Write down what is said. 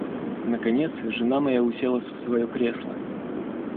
Наконец, жена моя уселась в своё кресло.